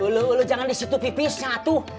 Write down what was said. ulu ulu jangan disitu pipis yang atuh